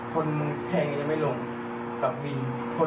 คนที่เยี่ยว